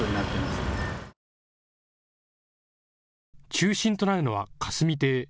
中心となるのは霞堤。